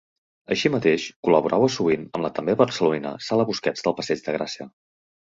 Així mateix, col·laborava sovint amb la també barcelonina Sala Busquets del Passeig de Gràcia.